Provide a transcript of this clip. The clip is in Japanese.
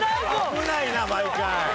危ないな毎回。